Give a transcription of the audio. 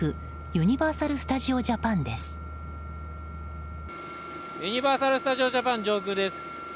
ユニバーサル・スタジオ・ジャパン上空です。